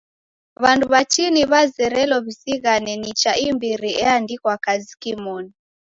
W'andu watini w'azerelo w'izighane nicha imbiri eandikwa kazi kimonu.